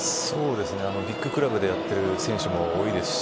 ビッグクラブでやっている選手も多いですし